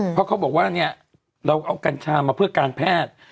เพราะเขาบอกว่าเนี่ยเราเอากัญชามาเพื่อการแพทย์